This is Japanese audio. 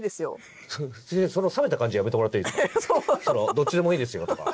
どっちでもいいですよとか。